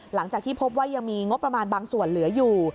หลังจากที่พบว่ายังมีงบประมาณบางส่วนเหลืออยู่